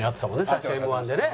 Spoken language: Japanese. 最初Ｍ−１でね。